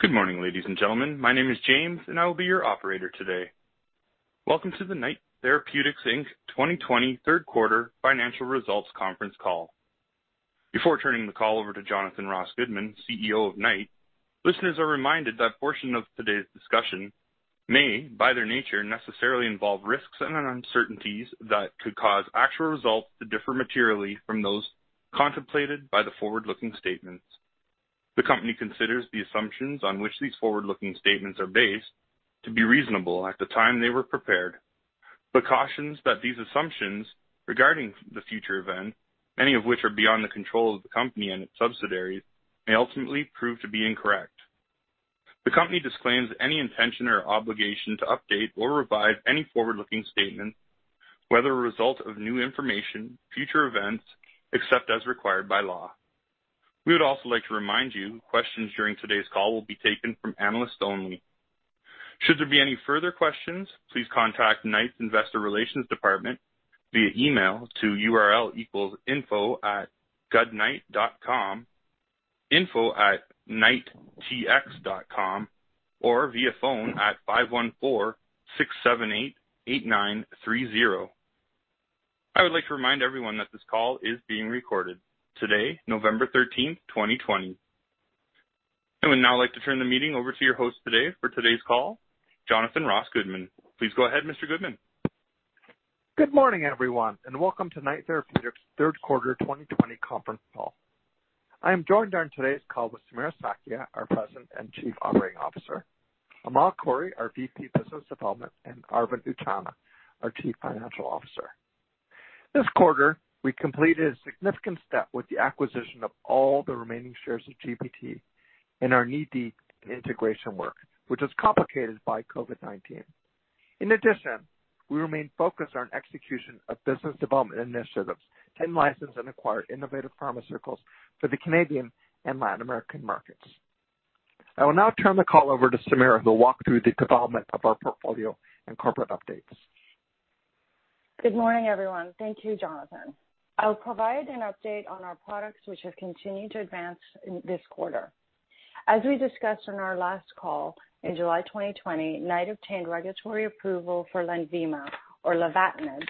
Good morning, ladies and gentlemen. My name is James, and I will be your operator today. Welcome to the Knight Therapeutics, Inc., 2020 third quarter financial results conference call. Before turning the call over to Jonathan Ross Goodman, CEO of Knight, listeners are reminded that portion of today's discussion may, by their nature, necessarily involve risks and uncertainties that could cause actual results to differ materially from those contemplated by the forward-looking statements. The company considers the assumptions on which these forward-looking statements are based to be reasonable at the time they were prepared, cautions that these assumptions regarding the future event, many of which are beyond the control of the company and its subsidiaries, may ultimately prove to be incorrect. The company disclaims any intention or obligation to update or revise any forward-looking statement, whether a result of new information, future events, except as required by law. We would also like to remind you, questions during today's call will be taken from analysts only. Should there be any further questions, please contact Knight's Investor Relations Department via email to info@goodknight.com, info@knighttx.com, or via phone at 514-678-8930. I would like to remind everyone that this call is being recorded today, November 13th, 2020. I would now like to turn the meeting over to your host today for today's call, Jonathan Ross Goodman. Please go ahead, Mr. Goodman. Good morning, everyone. Welcome to Knight Therapeutics' third quarter 2020 conference call. I am joined on today's call with Samira Sakhia, our President and Chief Operating Officer; Amal Khouri, our VP Business Development; and Arvind Utchanah, our Chief Financial Officer. This quarter, we completed a significant step with the acquisition of all the remaining shares of GBT and our knee-deep integration work, which was complicated by COVID-19. In addition, we remain focused on execution of business development initiatives and license and acquire innovative pharmaceuticals for the Canadian and Latin American markets. I will now turn the call over to Samira, who'll walk through the development of our portfolio and corporate updates. Good morning, everyone. Thank you, Jonathan. I'll provide an update on our products, which have continued to advance in this quarter. As we discussed on our last call in July 2020, Knight obtained regulatory approval for LENVIMA or lenvatinib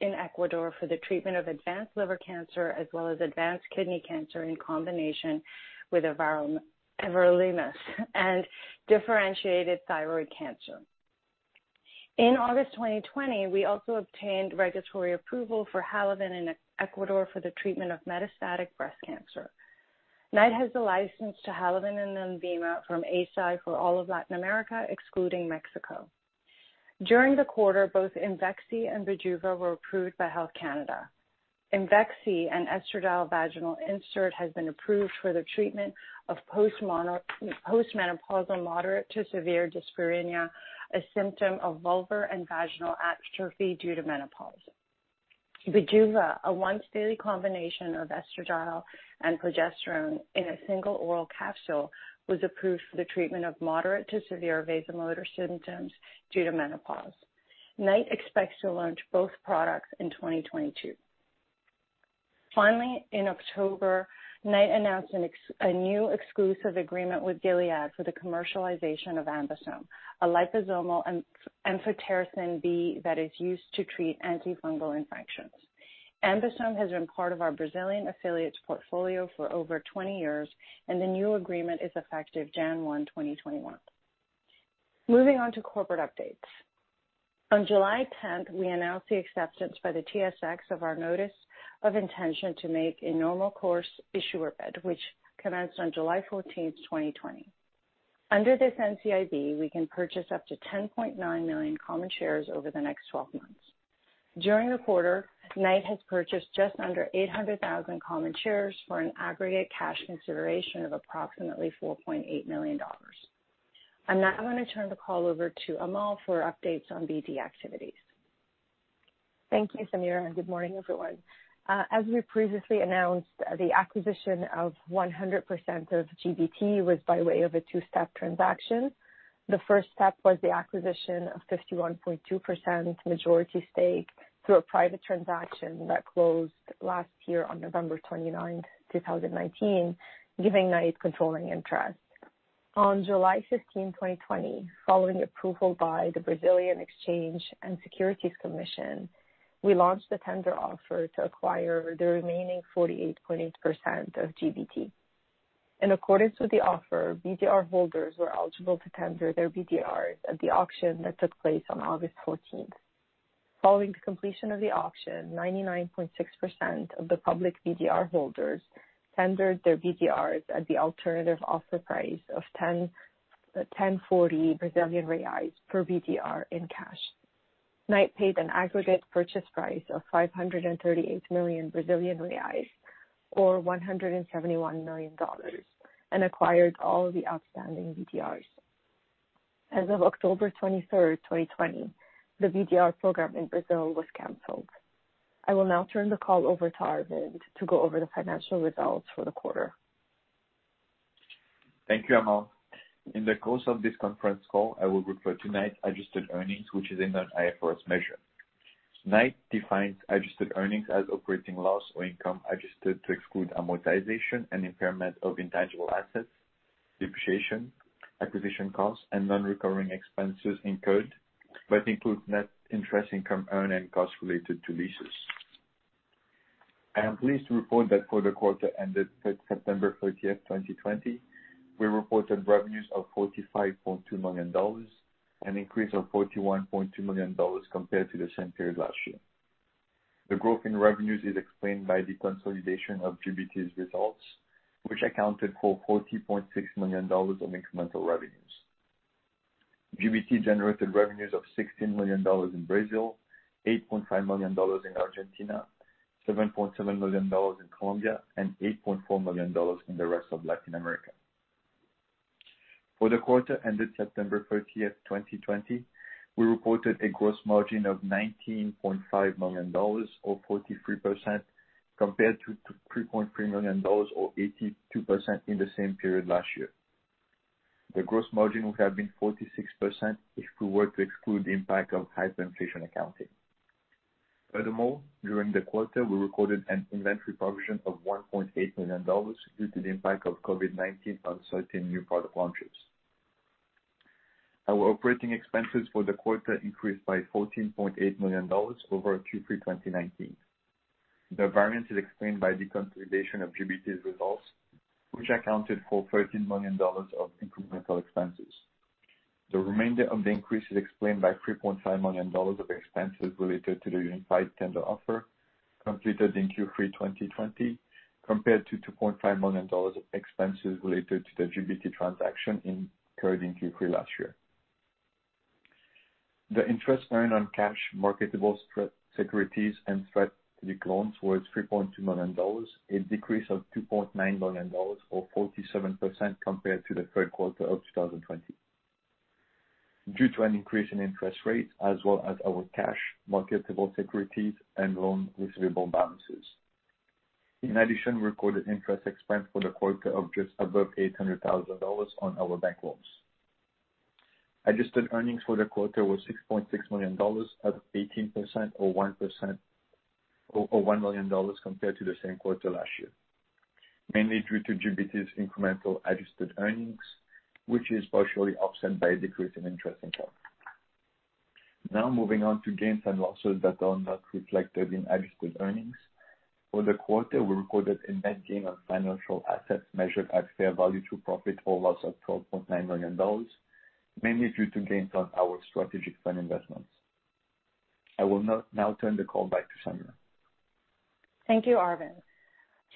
in Ecuador for the treatment of advanced liver cancer as well as advanced kidney cancer in combination with everolimus and differentiated thyroid cancer. In August 2020, we also obtained regulatory approval for HALAVEN in Ecuador for the treatment of metastatic breast cancer. Knight has the license to HALAVEN and LENVIMA from Eisai for all of Latin America, excluding Mexico. During the quarter, both IMVEXXY and BIJUVA were approved by Health Canada. IMVEXXY, an estradiol vaginal insert, has been approved for the treatment of postmenopausal moderate to severe dyspareunia, a symptom of vulvar and vaginal atrophy due to menopause. BIJUVA, a once-daily combination of estradiol and progesterone in a single oral capsule, was approved for the treatment of moderate to severe vasomotor symptoms due to menopause. Knight expects to launch both products in 2022. In October, Knight announced a new exclusive agreement with Gilead for the commercialization of AmBisome, a liposomal amphotericin B that is used to treat antifungal infections. AmBisome has been part of our Brazilian affiliates portfolio for over 20 years, and the new agreement is effective January 1, 2021. Moving on to corporate updates. On July 10th, we announced the acceptance by the TSX of our notice of intention to make a normal course issuer bid, which commenced on July 14th, 2020. Under this NCIB, we can purchase up to 10.9 million common shares over the next 12 months. During the quarter, Knight has purchased just under 800,000 common shares for an aggregate cash consideration of approximately 4.8 million dollars. I'm now going to turn the call over to Amal for updates on BD activities. Thank you, Samira, and good morning, everyone. As we previously announced, the acquisition of 100% of GBT was by way of a two-step transaction. The first step was the acquisition of 51.2% majority stake through a private transaction that closed last year on November 29th, 2019, giving Knight controlling interest. On July 15, 2020, following approval by the Securities and Exchange Commission of Brazil, we launched a tender offer to acquire the remaining 48.8% of GBT. In accordance with the offer, BDR holders were eligible to tender their BDRs at the auction that took place on August 14th. Following the completion of the auction, 99.6% of the public BDR holders tendered their BDRs at the alternative offer price of 1,040 Brazilian reais per BDR in cash. Knight paid an aggregate purchase price of 538 million Brazilian reais, or $171 million, and acquired all the outstanding BDRs. As of October 3rd, 2020, the BDR program in Brazil was canceled. I will now turn the call over to Arvind to go over the financial results for the quarter. Thank you, Amal. In the course of this conference call, I will refer to Knight adjusted earnings, which is an IFRS measure Knight defines adjusted earnings as operating loss or income adjusted to exclude amortization and impairment of intangible assets, depreciation, acquisition costs, and non-recurring expenses incurred, but includes net interest income earned and costs related to leases. I am pleased to report that for the quarter ended September 30th, 2020, we reported revenues of 45.2 million dollars, an increase of 41.2 million dollars compared to the same period last year. The growth in revenues is explained by the consolidation of GBT's results, which accounted for 40.6 million dollars of incremental revenues. GBT generated revenues of 16 million dollars in Brazil, 8.5 million dollars in Argentina, 7.7 million dollars in Colombia, and 8.4 million dollars in the rest of Latin America. For the quarter ended September 30th, 2020, we reported a gross margin of 19.5 million dollars, or 43%, compared to 3.3 million dollars, or 82%, in the same period last year. The gross margin would have been 46% if we were to exclude the impact of hyperinflation accounting. Furthermore, during the quarter, we recorded an inventory provision of 1.8 million dollars due to the impact of COVID-19 on certain new product launches. Our operating expenses for the quarter increased by 14.8 million dollars over Q3 2019. The variance is explained by the consolidation of GBT's results, which accounted for 13 million dollars of incremental expenses. The remainder of the increase is explained by 3.5 million dollars of expenses related to the unified tender offer completed in Q3 2020, compared to 2.5 million dollars of expenses related to the GBT transaction incurred in Q3 last year. The interest earned on cash marketable securities and strategic loans was 3.2 million dollars, a decrease of 2.9 million dollars, or 47%, compared to the third quarter of 2020 due to an increase in interest rates as well as our cash marketable securities and loan receivable balances. We recorded interest expense for the quarter of just above 800,000 dollars on our bank loans. Adjusted earnings for the quarter was 6.6 million dollars, or 18%, or 1 million dollars compared to the same quarter last year, mainly due to GBT's incremental adjusted earnings, which is partially offset by a decrease in interest income. Moving on to gains and losses that are not reflected in adjusted earnings. For the quarter, we recorded a net gain on financial assets measured at fair value through profit or loss of 12.9 million dollars, mainly due to gains on our strategic fund investments. I will now turn the call back to Samira. Thank you, Arvind.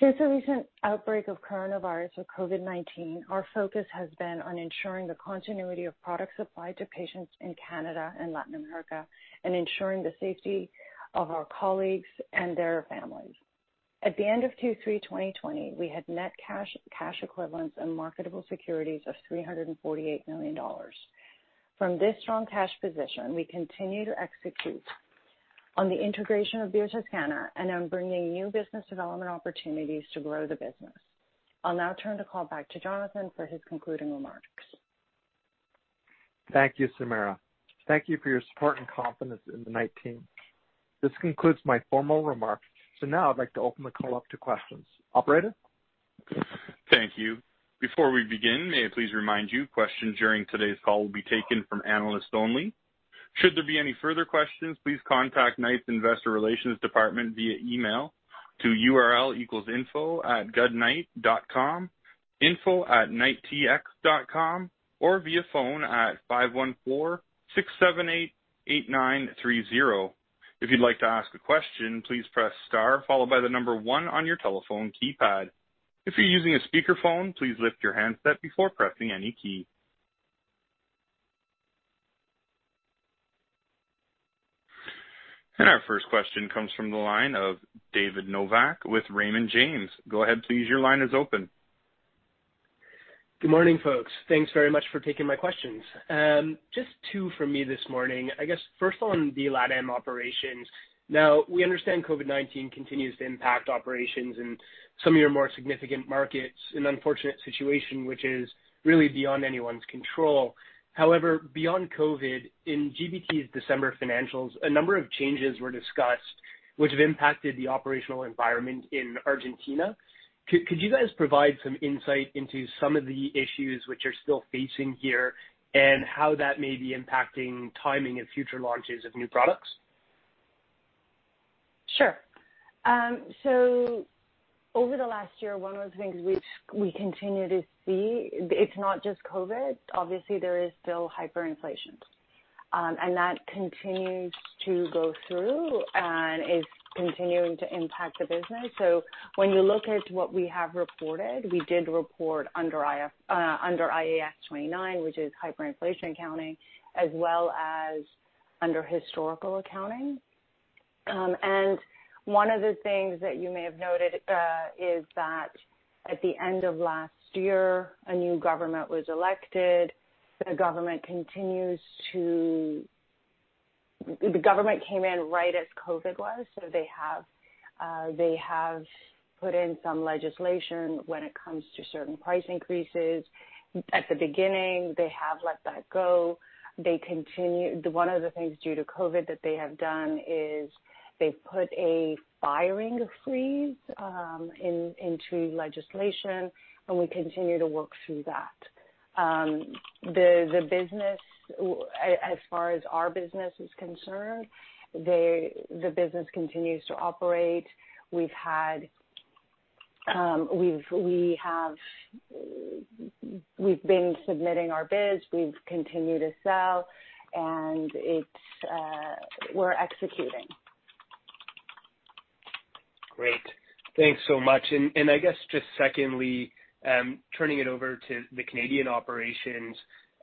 Since the recent outbreak of coronavirus or COVID-19, our focus has been on ensuring the continuity of product supply to patients in Canada and Latin America and ensuring the safety of our colleagues and their families. At the end of Q3 2020, we had net cash equivalents, and marketable securities of 348 million dollars. From this strong cash position, we continue to execute on the integration of [inaudible] and on bringing new business development opportunities to grow the business. I'll now turn the call back to Jonathan for his concluding remarks. Thank you, Samira. Thank you for your support and confidence in the Knight team. This concludes my formal remarks. Now I'd like to open the call up to questions. Operator? Thank you. Before we begin, may I please remind you, questions during today's call will be taken from analysts only. Should there be any further questions, please contact Knight's investor relations department via email to info@goodknight.com, info@knighttx.com, or via phone at 514-678-8930. If you'd like to ask a question, please press star followed by the number one on your telephone keypad. If you're using a speakerphone, please lift your handset before pressing any key. Our first question comes from the line of David Novak with Raymond James. Go ahead, please, your line is open. Good morning, folks. Thanks very much for taking my questions. Just two from me this morning. I guess first on the LAtAm operations. Now, we understand COVID-19 continues to impact operations in some of your more significant markets, an unfortunate situation which is really beyond anyone's control. However, beyond COVID, in GBT's December financials, a number of changes were discussed which have impacted the operational environment in Argentina. Could you guys provide some insight into some of the issues which you're still facing here and how that may be impacting timing of future launches of new products? Sure. Over the last year, one of the things which we continue to see, it's not just COVID. Obviously, there is still hyperinflation, and that continues to go through and is continuing to impact the business. When you look at what we have reported, we did report under IAS 29, which is hyperinflation accounting, as well as under historical accounting. One of the things that you may have noted is that at the end of last year, a new government was elected. The government came in right as COVID was, so they have put in some legislation when it comes to certain price increases. At the beginning, they have let that go. One of the things due to COVID that they have done is they've put a hiring freeze into legislation, and we continue to work through that. As far as our business is concerned, the business continues to operate. We've been submitting our bids. We've continued to sell, and we're executing. Great. Thanks so much. I guess just secondly, turning it over to the Canadian operations,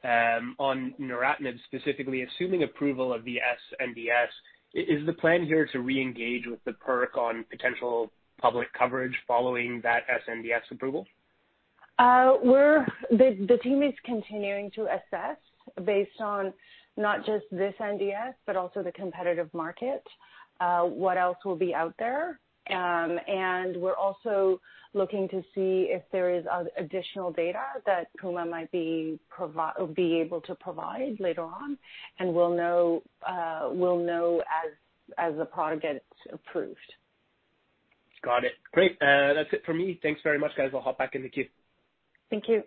on neratinib specifically, assuming approval of the sNDS, is the plan here to reengage with the pCPA on potential public coverage following that sNDS approval? The team is continuing to assess based on not just this NDS, but also the competitive market, what else will be out there. We're also looking to see if there is additional data that Puma might be able to provide later on, and we'll know as the product gets approved. Got it. Great. That's it for me. Thanks very much, guys. I'll hop back in the queue. Thank you.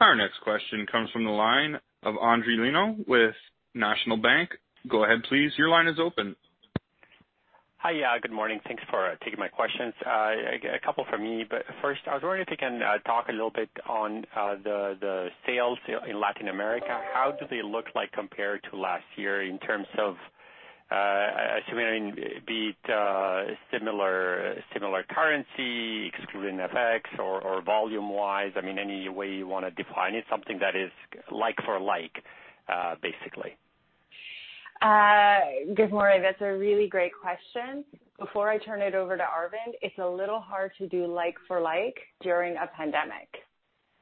Our next question comes from the line of Endri Leno with National Bank. Go ahead, please. Your line is open. Hi. Good morning. Thanks for taking my questions. A couple from me, but first, I was wondering if you can talk a little bit on the sales in Latin America. How do they look like compared to last year in terms of assuming be it similar currency excluding FX or volume wise? Any way you want to define it, something that is like for like, basically. Good morning. That's a really great question. Before I turn it over to Arvind, it's a little hard to do like for like during a pandemic.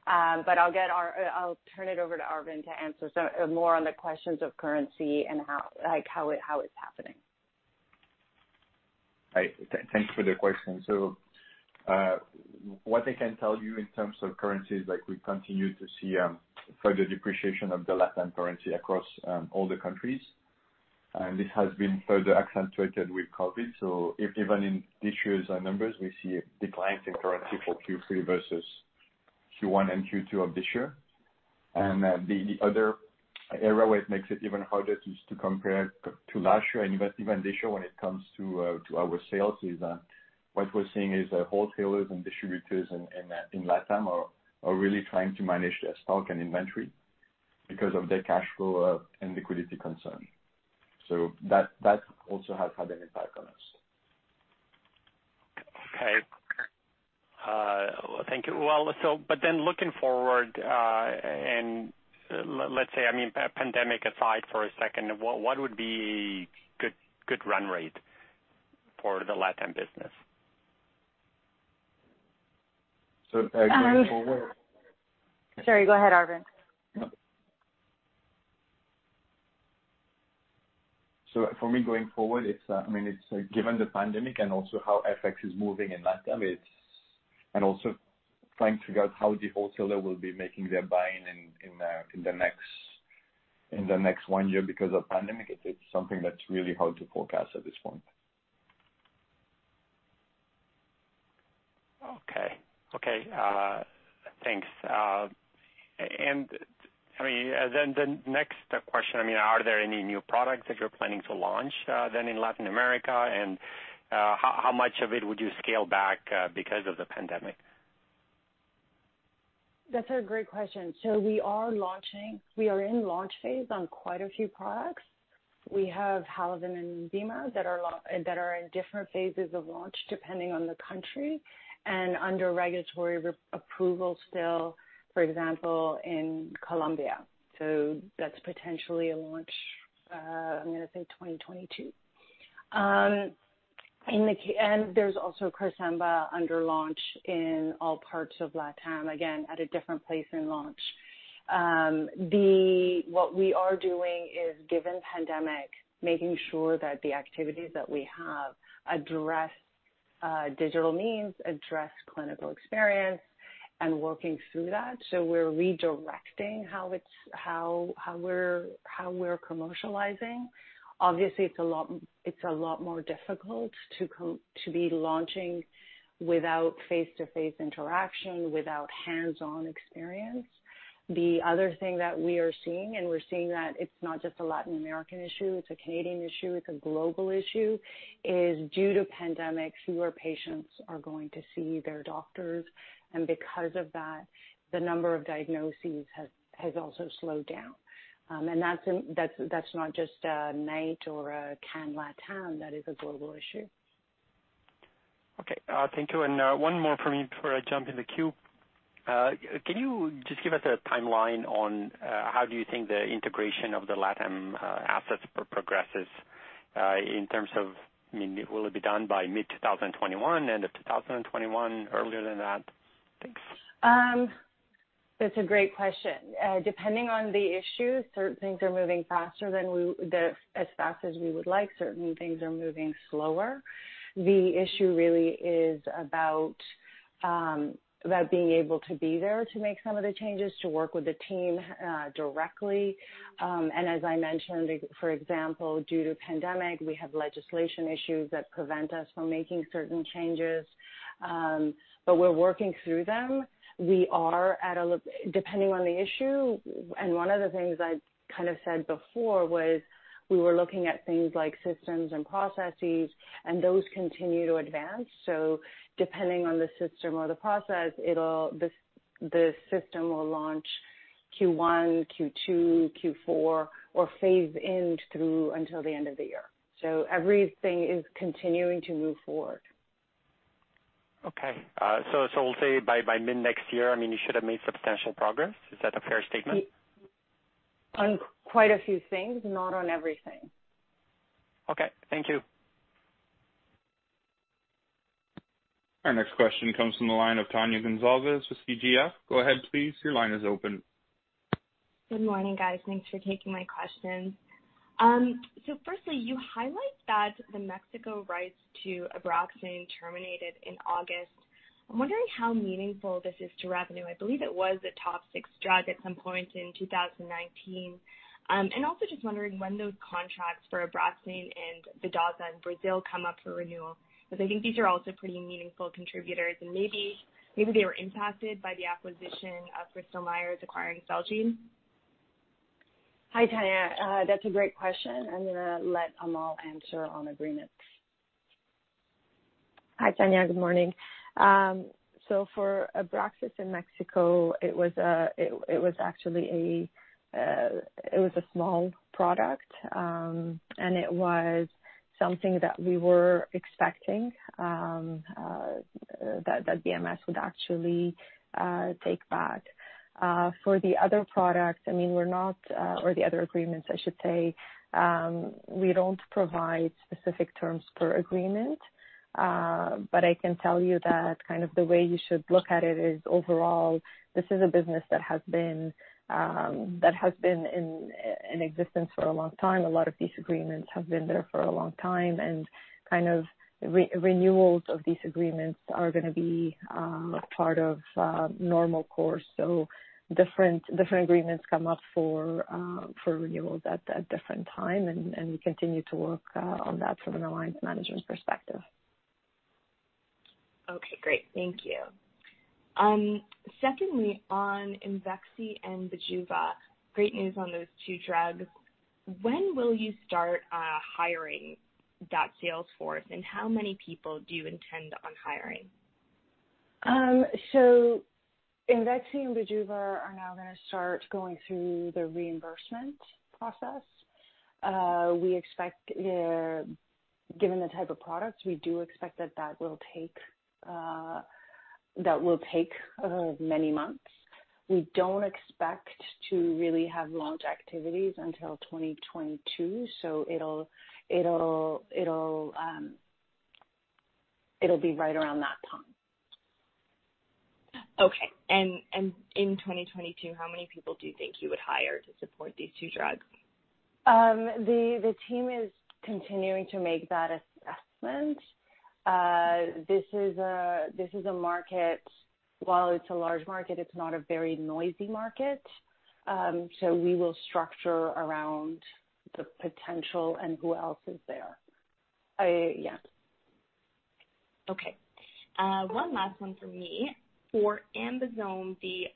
I'll turn it over to Arvind to answer more on the questions of currency and how it's happening. Thanks for the question. What I can tell you in terms of currencies, we continue to see further depreciation of the LatAm currency across all the countries. This has been further accentuated with COVID-19. Even in this year's numbers, we see a decline in currency for Q3 versus Q1 and Q2 of this year. The other area where it makes it even harder to compare to last year and even this year when it comes to our sales is what we're seeing is wholesalers and distributors in LatAm are really trying to manage their stock and inventory because of their cash flow and liquidity concern. That also has had an impact on us. Okay. Thank you. Looking forward, and let's say, pandemic aside for a second, what would be a good run rate for the LatAm business? Going forward. Sorry. Go ahead, Arvind. For me, going forward, given the pandemic and also how FX is moving in LatAm, and also trying to figure out how the wholesaler will be making their buying in the next one year because of pandemic, it is something that is really hard to forecast at this point. Okay. Thanks. The next question, are there any new products that you're planning to launch, then, in Latin America? How much of it would you scale back because of the pandemic? That's a great question. We are in launch phase on quite a few products. We have HALAVEN and LENVIMA that are in different phases of launch depending on the country, and under regulatory approval still, for example, in Colombia. That's potentially a launch, I'm going to say 2022. There's also AmBisome under launch in all parts of LatAm, again, at a different place in launch. What we are doing is, given pandemic, making sure that the activities that we have address digital means, address clinical experience, and working through that. We're redirecting how we're commercializing. Obviously, it's a lot more difficult to be launching without face-to-face interaction, without hands-on experience. The other thing that we are seeing, and we're seeing that it's not just a Latin American issue, it's a Canadian issue, it's a global issue, is due to pandemic, fewer patients are going to see their doctors, and because of that, the number of diagnoses has also slowed down. That's not just Knight or CanLatAm, that is a global issue. Okay. Thank you. One more from me before I jump in the queue. Can you just give us a timeline on how do you think the integration of the LatAm assets progresses in terms of will it be done by mid-2021, end of 2021, earlier than that? Thanks. That's a great question. Depending on the issue, certain things are moving faster than as fast as we would like. Certain things are moving slower. The issue really is about being able to be there to make some of the changes, to work with the team directly. As I mentioned, for example, due to pandemic, we have legislation issues that prevent us from making certain changes. We're working through them. Depending on the issue, and one of the things I kind of said before was we were looking at things like systems and processes, and those continue to advance. Depending on the system or the process, the system will launch Q1, Q2, Q4, or phase in through until the end of the year. Everything is continuing to move forward. Okay. We'll say by mid-next year, you should have made substantial progress. Is that a fair statement? On quite a few things, not on everything. Okay. Thank you. Our next question comes from the line of Tania Gonsalves with CGF. Go ahead, please. Your line is open. Good morning, guys. Thanks for taking my questions. Firstly, you highlight that the Mexico rights to Abraxane terminated in August. I'm wondering how meaningful this is to revenue. I believe it was a top six drug at some point in 2019. Also just wondering when those contracts for Abraxane and VIDAZA in Brazil come up for renewal, because I think these are also pretty meaningful contributors, and maybe they were impacted by the acquisition of Bristol-Myers acquiring Celgene. Hi, Tania. That's a great question. I'm going to let Amal answer on agreements. Hi, Tania. Good morning. For Abraxane in Mexico, it was a small product, and it was something that we were expecting that BMS would actually take back. For the other products, I mean, or the other agreements, I should say, we don't provide specific terms per agreement. I can tell you that kind of the way you should look at it is overall, this is a business that has been in existence for a long time. A lot of these agreements have been there for a long time, and renewals of these agreements are going to be part of normal course. Different agreements come up for renewals at different time, and we continue to work on that from an alliance management perspective. Okay, great. Thank you. Secondly, on IMVEXXY and BIJUVA, great news on those two drugs. When will you start hiring that sales force, and how many people do you intend on hiring? IMVEXXY and BIJUVA are now going to start going through the reimbursement process. Given the type of products, we do expect that will take many months. We don't expect to really have launch activities until 2022, so it'll be right around that time. Okay. In 2022, how many people do you think you would hire to support these two drugs? The team is continuing to make that assessment. This is a market, while it's a large market, it's not a very noisy market. We will structure around the potential and who else is there. Yeah. Okay. One last one for me. For AmBisome, the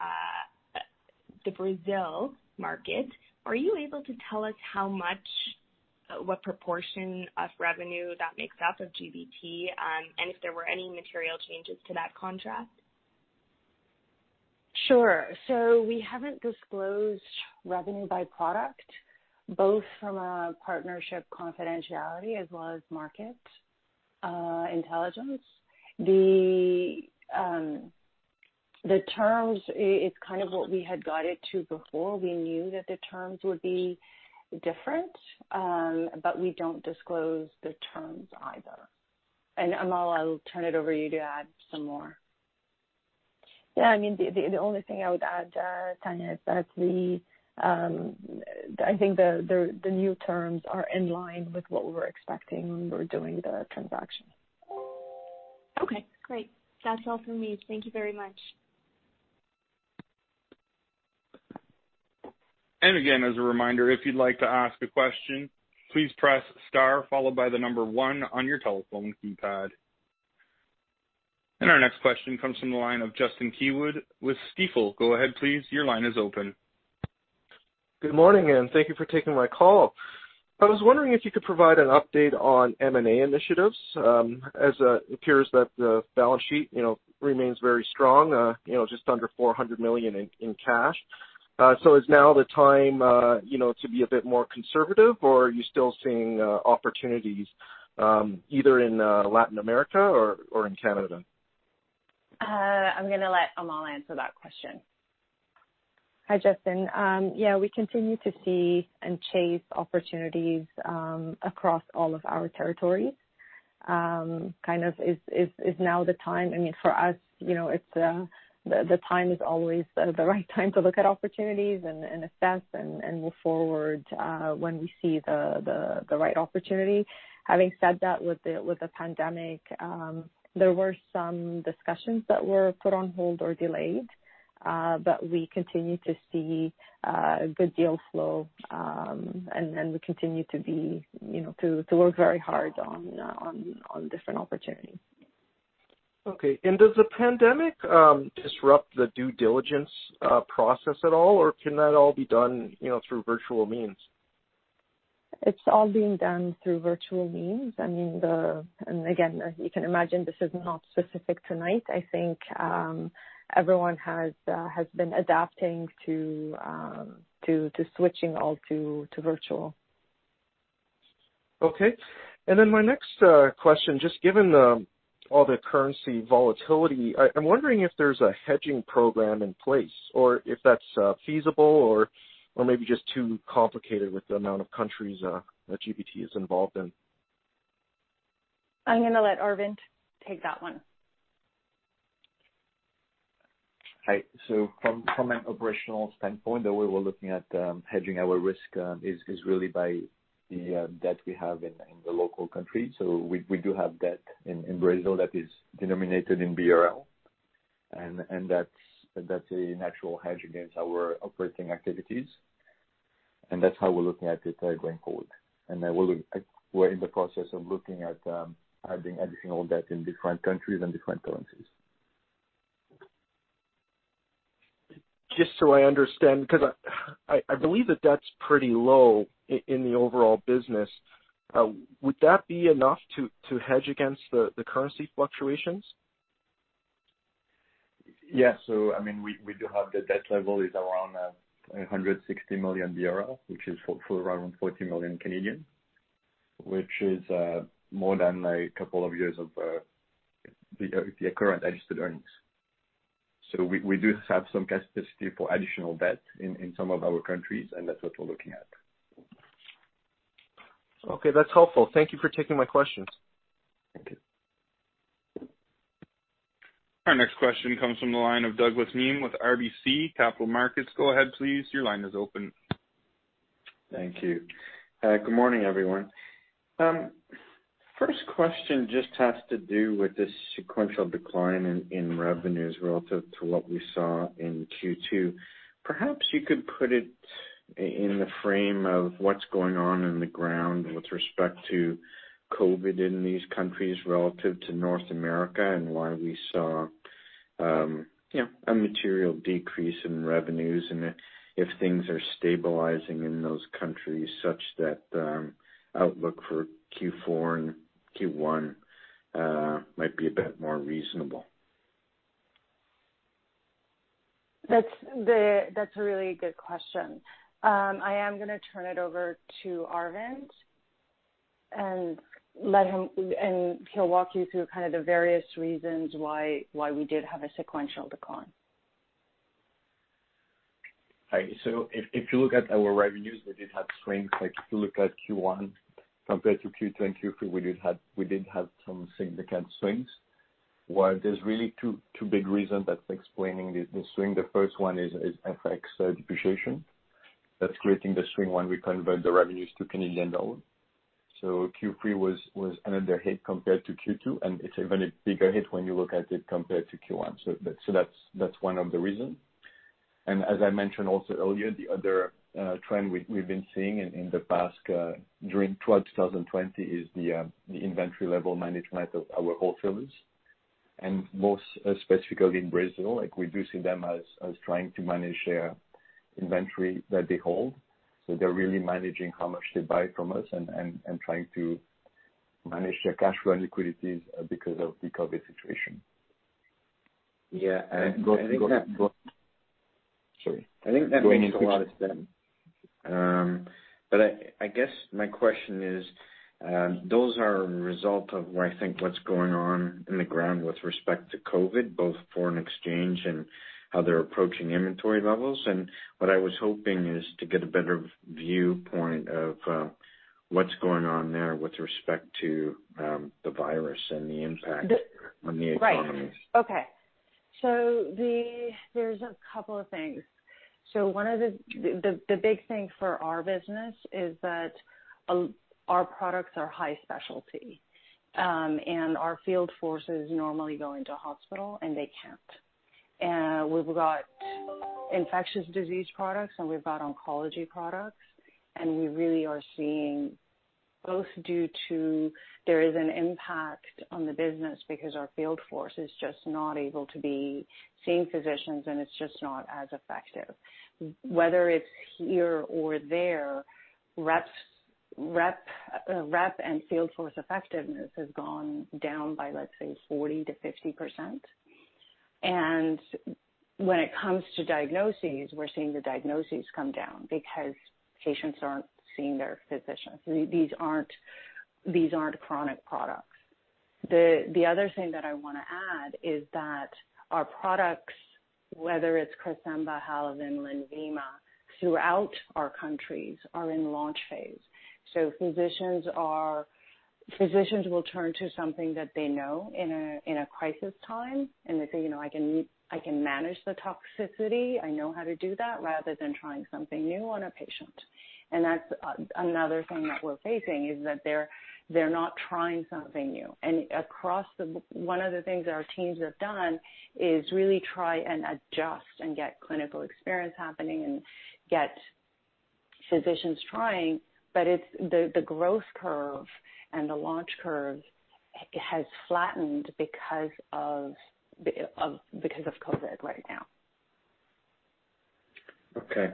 Brazil market, are you able to tell us what proportion of revenue that makes up of GBT, and if there were any material changes to that contract? Sure. We haven't disclosed revenue by product, both from a partnership confidentiality as well as market intelligence. The terms, it's kind of what we had guided to before. We knew that the terms would be different. We don't disclose the terms either. Amal, I'll turn it over you to add some more. Yeah, I mean, the only thing I would add, Tania, is that I think the new terms are in line with what we were expecting when we were doing the transaction. Okay, great. That's all for me. Thank you very much. Again, as a reminder, if you'd like to ask a question, please press star followed by the number one on your telephone keypad. Our next question comes from the line of Justin Keywood with Stifel. Go ahead, please. Your line is open. Good morning, thank you for taking my call. I was wondering if you could provide an update on M&A initiatives, as it appears that the balance sheet remains very strong, just under 400 million in cash. Is now the time to be a bit more conservative, or are you still seeing opportunities either in Latin America or in Canada? I'm going to let Amal answer that question. Hi, Justin. Yeah, we continue to see and chase opportunities across all of our territories. Kind of is now the time, I mean, for us, the time is always the right time to look at opportunities in a sense and move forward when we see the right opportunity. Having said that, with the pandemic, there were some discussions that were put on hold or delayed, but we continue to see a good deal flow. We continue to work very hard on different opportunities. Okay. Does the pandemic disrupt the due diligence process at all, or can that all be done through virtual means? It's all being done through virtual means. Again, as you can imagine, this is not specific to Knight. I think everyone has been adapting to switching all to virtual. Okay. My next question, just given all the currency volatility, I'm wondering if there's a hedging program in place or if that's feasible or maybe just too complicated with the amount of countries that GBT is involved in. I'm going to let Arvind take that one. Hi. From an operational standpoint, the way we're looking at hedging our risk is really by the debt we have in the local country. We do have debt in Brazil that is denominated in BRL, and that's a natural hedge against our operating activities, and that's how we're looking at it going forward. We're in the process of looking at hedging all debt in different countries and different currencies. Just so I understand, because I believe the debt's pretty low in the overall business. Would that be enough to hedge against the currency fluctuations? Yeah. We do have the debt level is around BRL 160 million, which is for around 40 million, which is more than a couple of years of the current adjusted earnings. We do have some capacity for additional debt in some of our countries, and that's what we're looking at. Okay. That's helpful. Thank you for taking my questions. Thank you. Our next question comes from the line of Douglas Miehm with RBC Capital Markets. Go ahead, please. Your line is open. Thank you. Good morning, everyone. First question just has to do with the sequential decline in revenues relative to what we saw in Q2. Perhaps you could put it in the frame of what's going on on the ground with respect to COVID in these countries relative to North America, and why we saw a material decrease in revenues and if things are stabilizing in those countries such that the outlook for Q4 and Q1 might be a bit more reasonable. That's a really good question. I am going to turn it over to Arvind, and he'll walk you through kind of the various reasons why we did have a sequential decline. Hi. If you look at our revenues, we did have swings. Like if you look at Q1 compared to Q2 and Q3, we did have some significant swings. There's really two big reasons that's explaining the swing. The first one is FX depreciation. That's creating the swing when we convert the revenues to Canadian dollar. Q3 was another hit compared to Q2, and it's an even bigger hit when you look at it compared to Q1. That's one of the reasons. As I mentioned also earlier, the other trend we've been seeing in the past during 2020 is the inventory level management of our wholesalers, and most specifically in Brazil. We do see them as trying to manage their inventory that they hold. They're really managing how much they buy from us and trying to manage their cash flow and liquidity because of the COVID situation. Yeah. Go- I think that- Sorry. Go ahead. I think that makes a lot of sense. I guess my question is, those are a result of what I think what's going on on the ground with respect to COVID, both foreign exchange and how they're approaching inventory levels. What I was hoping is to get a better viewpoint of what's going on there with respect to the virus and the impact on the economies. Right. Okay. There's a couple of things. One of the big things for our business is that our products are high specialty. Our field forces normally go into a hospital, and they can't. We've got infectious disease products, and we've got oncology products, and we really are seeing both due to there is an impact on the business because our field force is just not able to be seeing physicians, and it's just not as effective. Whether it's here or there, rep and field force effectiveness has gone down by, let's say, 40%-50%. When it comes to diagnoses, we're seeing the diagnoses come down because patients aren't seeing their physicians. These aren't chronic products. The other thing that I want to add is that our products, whether it's CRYSVITA, HALAVEN, LENVIMA, throughout our countries, are in launch phase. Physicians will turn to something that they know in a crisis time, and they say, "I can manage the toxicity. I know how to do that," rather than trying something new on a patient. That's another thing that we're facing, is that they're not trying something new. One of the things that our teams have done is really try and adjust and get clinical experience happening and get physicians trying. The growth curve and the launch curve has flattened because of COVID right now. Okay.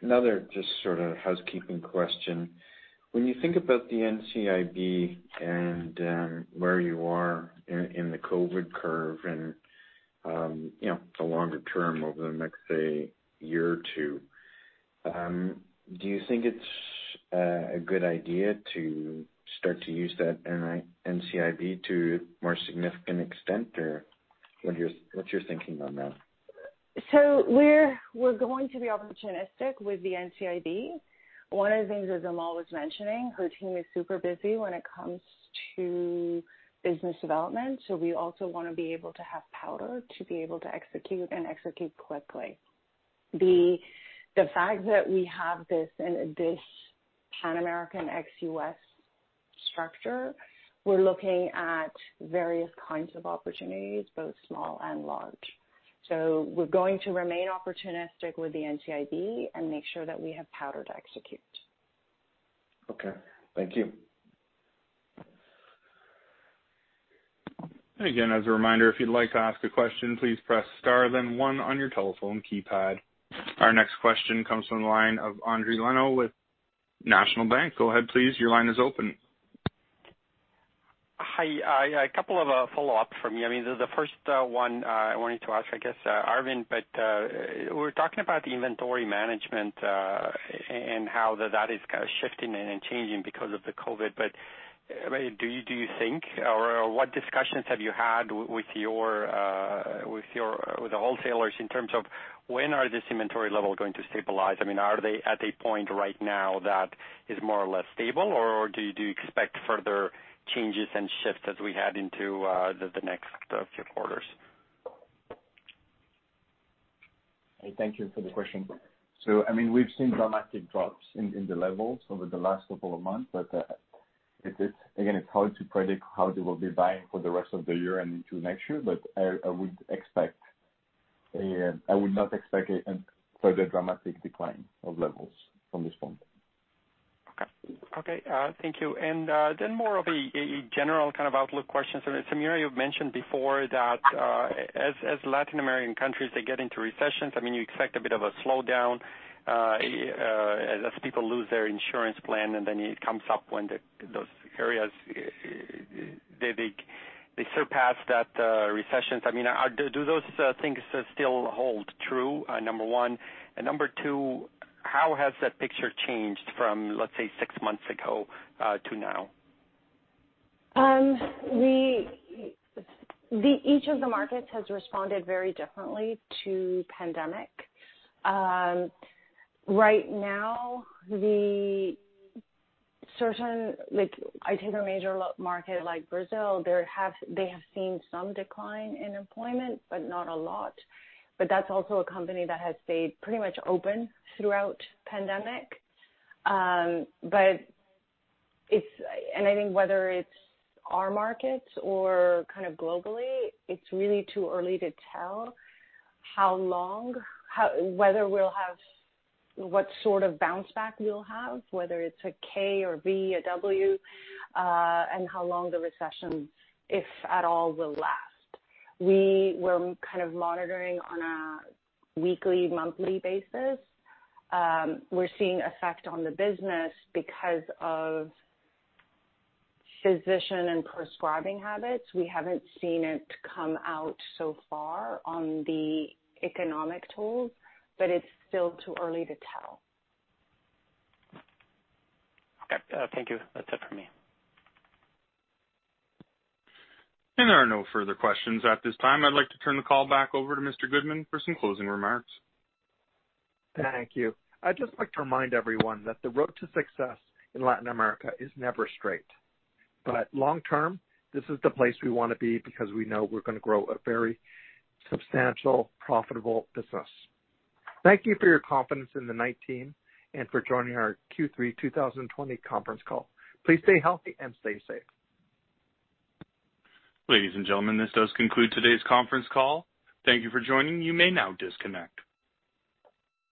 Another just sort of housekeeping question. When you think about the NCIB and where you are in the COVID curve and the longer term over the next, say, year or two, do you think it's a good idea to start to use that NCIB to more significant extent? What's your thinking on that? We're going to be opportunistic with the NCIB. One of the things that Amal was mentioning, her team is super busy when it comes to business development, we also want to be able to have powder to be able to execute and execute quickly. The fact that we have this Pan-American ex-U.S. structure, we're looking at various kinds of opportunities, both small and large. We're going to remain opportunistic with the NCIB and make sure that we have powder to execute. Okay. Thank you. Again, as a reminder, if you'd like to ask a question, please press star then one on your telephone keypad. Our next question comes from the line of Endri Leno with National Bank. Go ahead, please. Your line is open. Hi. A couple of follow-ups from me. The first one I wanted to ask, I guess, Arvind, we're talking about the inventory management and how that is kind of shifting and changing because of the COVID. Do you think, or what discussions have you had with the wholesalers in terms of when are these inventory level going to stabilize? I mean, are they at a point right now that is more or less stable, or do you expect further changes and shifts as we head into the next few quarters? Thank you for the question. I mean, we've seen dramatic drops in the levels over the last couple of months, again, it's hard to predict how they will be buying for the rest of the year and into next year. I would not expect a further dramatic decline of levels from this point. Okay. Thank you. More of a general kind of outlook question. Samira, you've mentioned before that as Latin American countries, they get into recessions, you expect a bit of a slowdown as people lose their insurance plan, and then it comes up when those areas, they surpass that recession. Do those things still hold true, number one? Number two, how has that picture changed from, let's say, six months ago to now? Each of the markets has responded very differently to pandemic. Right now, the certain take a major market like Brazil, they have seen some decline in employment, but not a lot. That's also a company that has stayed pretty much open throughout pandemic. I think whether it's our markets or kind of globally, it's really too early to tell what sort of bounce back we'll have, whether it's a K or V, a W, and how long the recession, if at all, will last. We're kind of monitoring on a weekly, monthly basis. We're seeing effect on the business because of physician and prescribing habits. We haven't seen it come out so far on the economic tools, it's still too early to tell. Okay. Thank you. That's it from me. There are no further questions at this time. I'd like to turn the call back over to Mr. Goodman for some closing remarks. Thank you. I'd just like to remind everyone that the road to success in Latin America is never straight, but long-term, this is the place we want to be because we know we're going to grow a very substantial, profitable business. Thank you for your confidence in the Knight team and for joining our Q3 2020 conference call. Please stay healthy and stay safe. Ladies and gentlemen, this does conclude today's conference call. Thank you for joining. You may now disconnect.